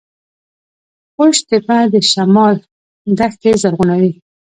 قوش تیپه د شمال دښتې زرغونوي